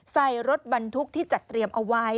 ใส่รถบรรทุกที่จัดเตรียมเอาไว้